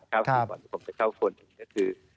ก่อนที่ผมจะเข้าควรนี่ก็คือ